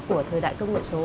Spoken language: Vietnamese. của thời đại công nghệ số